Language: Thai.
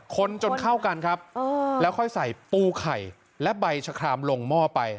คนจนเข้ากันครับแล้วค่อยใส่ปูไข่และใบชะครามลงหม้อไป